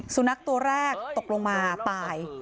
สุนัขตัวแรกตกลงมาตาย